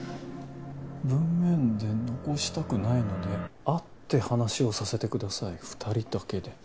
「文面で残したくないので会って話をさせてください二人だけで」。